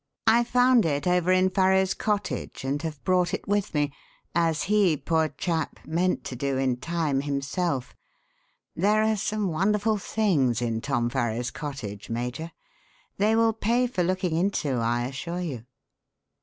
I found it over in Farrow's cottage and have brought it with me as he, poor chap, meant to do in time himself. There are some wonderful things in Tom Farrow's cottage, Major; they will pay for looking into, I assure you.